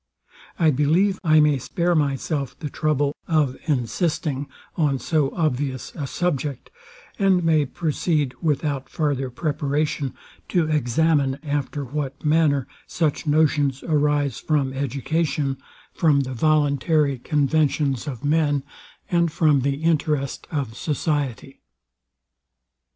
I believe I may spare myself the trouble of insisting on so obvious a subject, and may proceed, without farther preparation, to examine after what manner such notions arise from education, from the voluntary conventions of men, and from the interest of society.